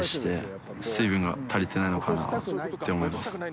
粟野さん）のかな？って思います。